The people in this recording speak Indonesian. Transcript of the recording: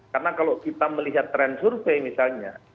karena kalau kita melihat trend survei misalnya